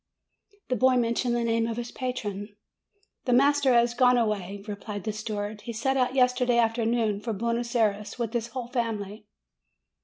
The boy mentioned the name of his patron. 'The master has gone away," replied the steward; "he set out yesterday afternoon for Buenos Ay res, with his whole family."